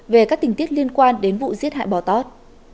về các tình tiết liên quan đến vụ giết hại bò tót